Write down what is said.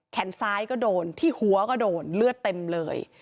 แขนซ้ายก็โดนที่หัวก็โดนเลือดเต็มเลย